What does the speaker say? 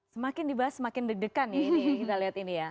semakin dibahas semakin dedekan nih kita lihat ini ya